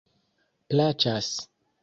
plaĉas